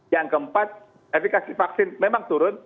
yang keempat efekasi vaksin memang turun